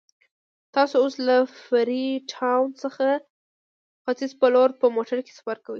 تاسو اوس له فري ټاون څخه ختیځ په لور په موټر کې سفر کوئ.